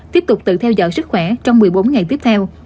tiếp tục tự theo dõi sức khỏe trong một mươi bốn ngày tiếp theo